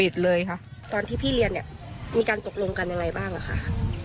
ค่ะตอนที่พี่เรียนเนี่ยมีการตกลงกันยังไงบ้างอะค่ะ